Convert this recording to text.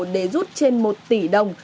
để rút trên một tỷ đồng